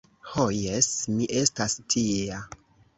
Ho jes! mi estas tia.